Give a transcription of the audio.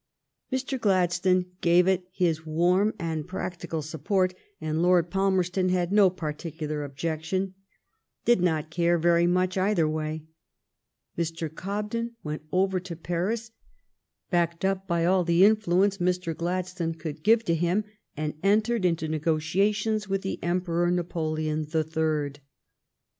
Mr. Gladstone RicKAuii con.ii N gave it his warm (F™.n=id.,«™,,(, ^„j practical support, and Lord Palmerston had no particular ob jection ; did not care very much either way. Mr. Cobden went over to Paris backed up by all the influ ence Mr. Gladstone could give to him, and entered into negotiations with the Emperor Napoleon the Third.